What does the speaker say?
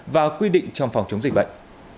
và quy định trong phòng chống dịch bệnh